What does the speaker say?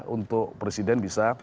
untuk presiden bisa